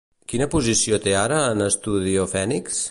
Quina posició té ara en Estudio Fénix?